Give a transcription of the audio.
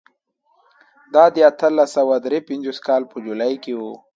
دا د اتلس سوه درې پنځوس کال په جولای کې و.